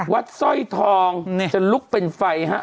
สร้อยทองจะลุกเป็นไฟฮะ